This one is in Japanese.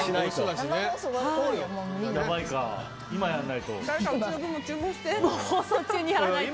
今やらないと。